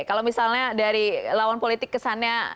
kalau misalnya dari lawan politik kesannya